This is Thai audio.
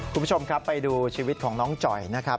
คุณผู้ชมครับไปดูชีวิตของน้องจ่อยนะครับ